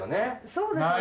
そうですね。